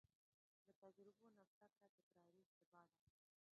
له تجربو نه زده کړه تکراري اشتباه ده.